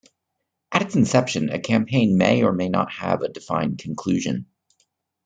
At its inception, a campaign may or may not have a defined conclusion.